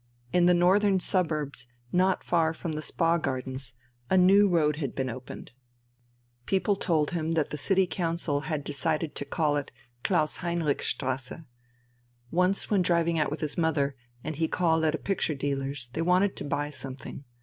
In the northern suburbs, not far from the spa gardens, a new road had been opened: people told him that the City Council had decided to call it "Klaus Heinrich Strasse." Once when driving out with his mother and he called at a picture dealer's, they wanted to buy something.